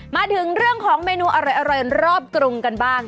มาถึงเรื่องของเมนูอร่อยรอบกรุงกันบ้าง